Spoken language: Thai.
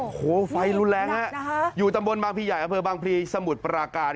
โอ้โฮไฟรุนแรงนะฮะอยู่ตำบลบางพีใหญ่อาเฟิร์ดบางพีสมุดปราการ